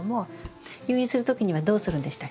誘引する時にはどうするんでしたっけ？